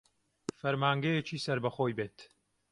فەرمانگەیەکی سەر بە خۆی بێت